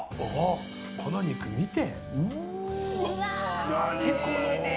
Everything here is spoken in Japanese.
この肉を見て。